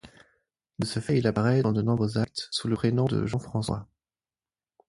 De ce fait il apparaît dans de nombreux actes sous le prénom de Jean-François.